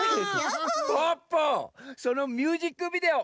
ポッポそのミュージックビデオ